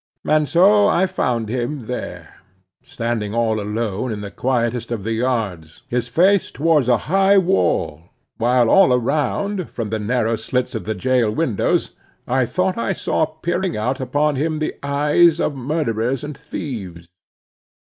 And so I found him there, standing all alone in the quietest of the yards, his face towards a high wall, while all around, from the narrow slits of the jail windows, I thought I saw peering out upon him the eyes of murderers and thieves.